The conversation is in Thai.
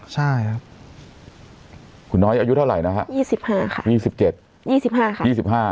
ใช่ครับคุณน้อยอายุเท่าไหร่นะฮะยี่สิบห้าค่ะยี่สิบเจ็ดยี่สิบห้าค่ะยี่สิบห้า